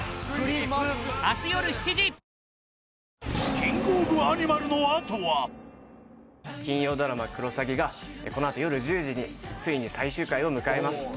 ピンポーンのあとは金曜ドラマ「クロサギ」がこのあとよる１０時についに最終回を迎えます